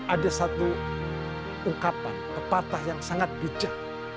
ada satu ungkapan pepatah yang sangat bijak